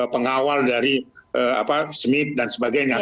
pengawal dari smith dan sebagainya